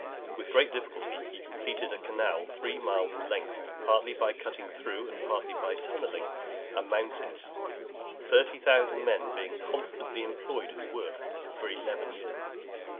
With great difficulty he completed a canal three miles in length, partly by cutting through, and partly by tunnelling, a mountain; thirty thousand men being constantly employed in the work for eleven years .